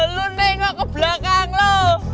lu nih nggak ke belakang lu